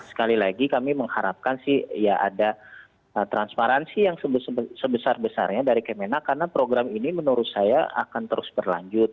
sekali lagi kami mengharapkan sih ya ada transparansi yang sebesar besarnya dari kemena karena program ini menurut saya akan terus berlanjut